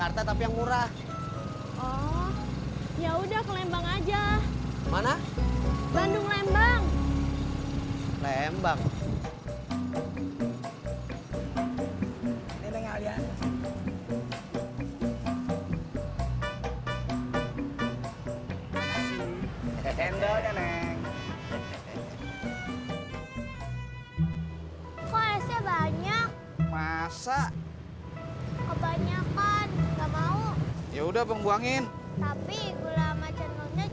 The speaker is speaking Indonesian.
yang mahal apa yang murah yang mahal apa yang murah yang mahal apa yang murah yang mahal apa yang murah yang mahal apa yang murah yang mahal apa yang murah yang mahal apa yang murah yang mahal apa yang murah yang mahal apa yang murah yang kaget apa yang dikit yang mahal apa yang murah yang mahal apa yang keluar yang mahal apa yang kerja di su beverages di desa yang mahal apa yang kerja di desa